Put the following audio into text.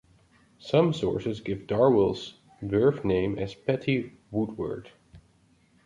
Some sources give Darwell's birth name as Patti Woodward.